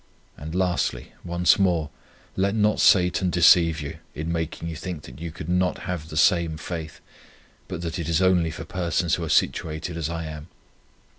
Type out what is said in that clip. And lastly, once more, let not Satan deceive you in making you think that you could not have the same faith but that it is only for persons who are situated as I am.